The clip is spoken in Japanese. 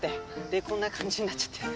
でこんな感じになっちゃって。